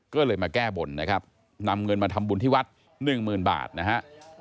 ก็เลยมาแก้บนนะครับนำเงินมาทำบุญที่วัดหนึ่งหมื่นบาทนะฮะ